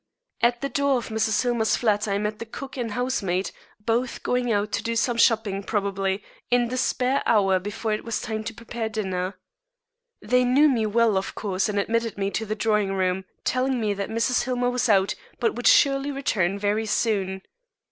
At the door of Mrs. Hillmer's flat I met the cook and housemaid, both going out to do some shopping, probably, in the spare hour before it was time to prepare dinner. They knew me well, of course, and admitted me to the drawing room, telling me that Mrs. Hillmer was out, but would surely return very soon.